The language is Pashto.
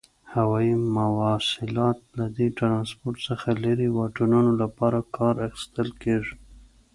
هوایي مواصلات له دې ترانسپورت څخه لري واټنونو لپاره کار اخیستل کیږي.